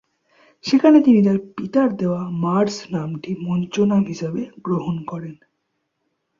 সেখানে তিনি তার পিতার দেওয়া "মার্স" নামটি মঞ্চ নাম হিসেবে গ্রহণ করেন।